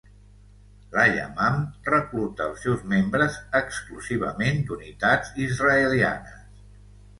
La Yamam recluta els seus membres exclusivament d'unitats israelianes.